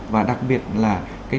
và đặc biệt là